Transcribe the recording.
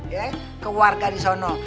ya ke warga di sana